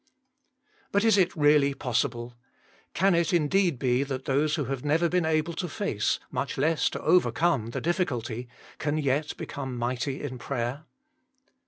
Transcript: But is it really possible ? Can it indeed be that those who have never been able to face, much less to overcome the difficulty, can yet become mighty in prayer?